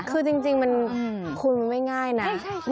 คือจริงคุณมันไม่ง่ายนะ